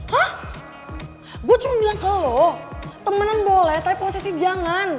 hah gue cuma bilang ke lo temenan boleh tapi prosesnya jangan